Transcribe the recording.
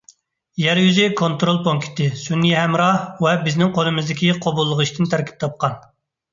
يەر يۈزى كونترول پونكىتى، سۈنئىي ھەمراھ ۋە بىزنىڭ قولىمىزدىكى قوبۇللىغۇچتىن تەركىب تاپقان.